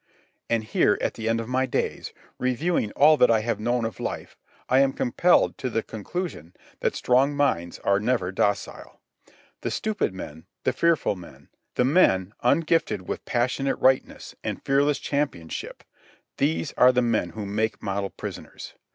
And here at the end of my days, reviewing all that I have known of life, I am compelled to the conclusion that strong minds are never docile. The stupid men, the fearful men, the men ungifted with passionate rightness and fearless championship—these are the men who make model prisoners.